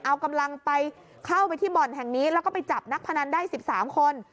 เอากำลังไปเข้าไปที่บ่อนแห่งนี้แล้วก็ไปจับนักพนันได้๑๓คน